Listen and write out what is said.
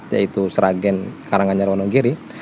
yaitu sragen karanganyarwanonggiri